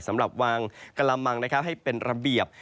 สำหรับวางกระมังให้เป็นระเบียบ